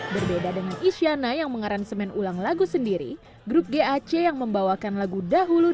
berbeda dengan isyana yang mengaransemen ulang lagu sendiri grup gac yang membawakan lagu dahulu